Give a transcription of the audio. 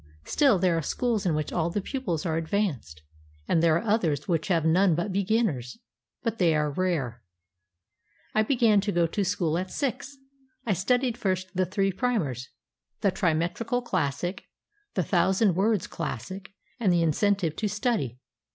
Still there are schools in which all the pupils are advanced; and there are others which have none but beginners. But they are rare. I began to go to school at six. I studied first the three primers: the "Trimetrical Classic," the "Thousand words Classic," and the "Incentive to Study."